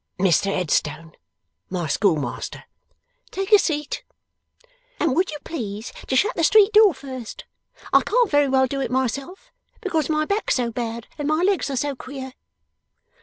'Mr Headstone, my schoolmaster.' 'Take a seat. And would you please to shut the street door first? I can't very well do it myself; because my back's so bad, and my legs are so queer.